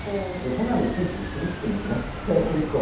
そんなの、いちいち傷つくんですね、結構。